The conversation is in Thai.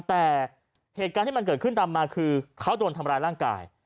แต่เหตุการณ์ที่มันเกิดขึ้นตามมาคือเขาโดนทำร้ายร่างกาย